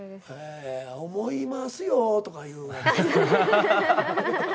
思いますよとかいうやつ。